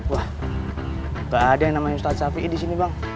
wah nggak ada yang namanya ustadz shafi'i di sini bang